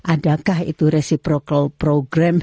adakah itu reciprocal program